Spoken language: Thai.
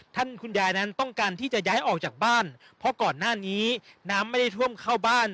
คุณยายนั้นต้องการที่จะย้ายออกจากบ้านเพราะก่อนหน้านี้น้ำไม่ได้ท่วมเข้าบ้าน